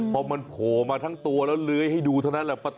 พอมันโผล่มาทั้งตัวแล้วเลื้อยให้ดูเท่านั้นแหละ